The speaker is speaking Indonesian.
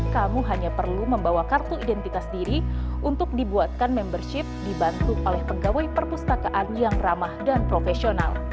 kamu hanya perlu membawa kartu identitas diri untuk dibuatkan membership dibantu oleh pegawai perpustakaan yang ramah dan profesional